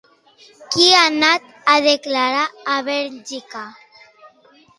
Qui ha anat a declarar a Bèlgica?